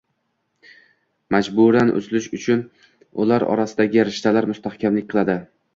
Majburan uzilish uchun ular orasidagi rishtalar mustahkamlik qiladi.